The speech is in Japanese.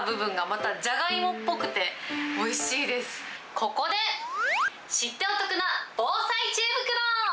ここで知ってお得な防災知恵袋。